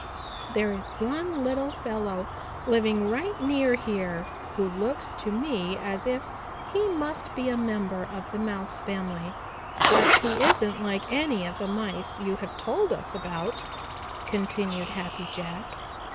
"There is one little fellow living right near here who looks to me as if he must be a member of the Mouse family, but he isn't like any of the Mice you have told us about," continued Happy Jack.